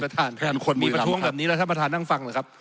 คนมีประท้วงแบบนี้แล้วท่านประธานนั่งฟังหรือครับ